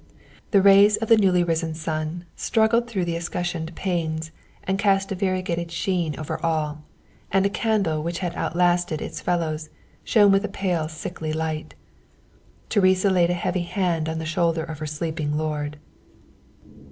The rays of the newly risen sun struggled through the escutcheoned panes and cast a variegated sheen over all, and a candle which had outlasted its fellows shone with a pale sickly light. Teresa laid a heavy hand on the shoulder of her sleeping lord.